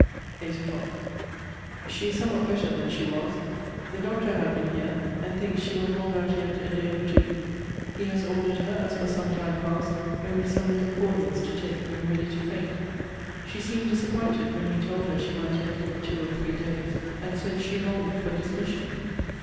EIGHT O'CLOCK. She is somewhat better than she was. The doctor had been here, and thinks she will hold out yet a day or two. He has ordered her, as for some time past, only some little cordials to take when ready to faint. She seemed disappointed, when he told her she might yet live two or three days; and said, she longed for dismission!